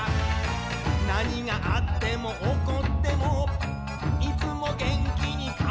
「何があっても起こっても」「いつも元気に顔上げて」